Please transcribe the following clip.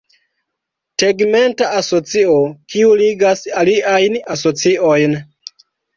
Tegmenta asocio, kiu ligas aliajn asociojn.